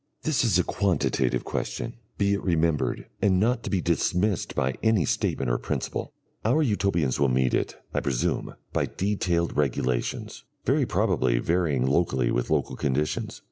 This is a quantitative question, be it remembered, and not to be dismissed by any statement of principle. Our Utopians will meet it, I presume, by detailed regulations, very probably varying locally with local conditions.